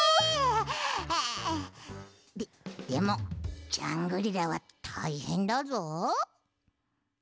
ででもジャングリラはたいへんだぞ。